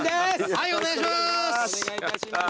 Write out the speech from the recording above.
はいお願いします。